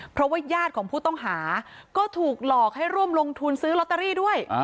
เพราะว่าญาติของผู้ต้องหาก็ถูกหลอกให้ร่วมลงทุนซื้อลอตเตอรี่ด้วย